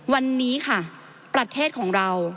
วันนี้ค่ะประเทศของเรา